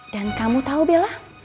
dan kamu tau bella